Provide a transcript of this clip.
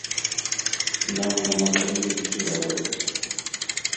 Нам няма калі жыццю радавацца.